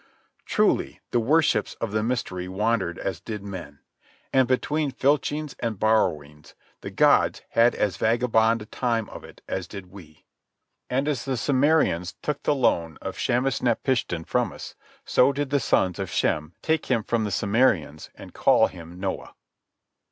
Truly, the worships of the Mystery wandered as did men, and between filchings and borrowings the gods had as vagabond a time of it as did we. As the Sumerians took the loan of Shamashnapishtin from us, so did the Sons of Shem take him from the Sumerians and call him Noah.